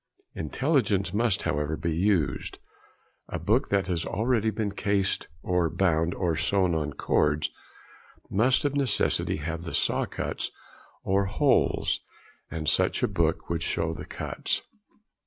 Intelligence must, however, be used; a book that has already been cased (or bound and sewn on cords) must of necessity have the saw cuts or holes, and such a book would show the cuts.